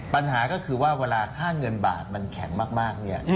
ปัญหาก็คือว่าเวลาค่าเงินบาทมันแข็งมากเนี่ย